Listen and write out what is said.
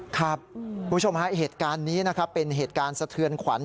คุณผู้ชมฮะเหตุการณ์นี้นะครับเป็นเหตุการณ์สะเทือนขวัญ